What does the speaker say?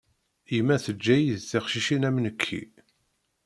Yemma teǧǧa-iyi d teqcicin am nekki.